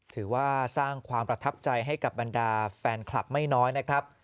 ถือว่าสร้างความประทับใจให้กับบรรดาแฟนคลับไม่น้อยนะครับ